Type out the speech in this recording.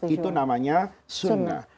itu namanya sunnah